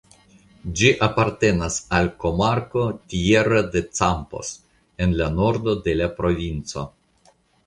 Ĝi apartenas al komarko "Tierra de Campos" en la nordo de la provinco.